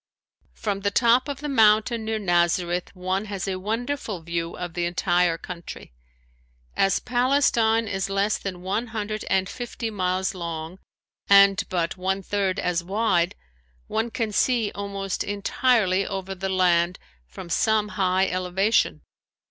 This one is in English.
From the top of the mountain near Nazareth one has a wonderful view of the entire country. As Palestine is less than one hundred and fifty miles long and but one third as wide one can see almost entirely over the land from some high elevation.